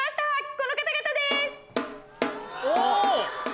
この方々です！